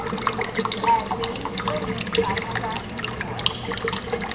Erdélyi örmény származású volt.